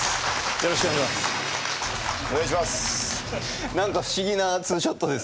よろしくお願いします。